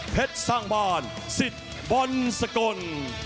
เพชรสร้างบ้านสิทธิ์บรรสกล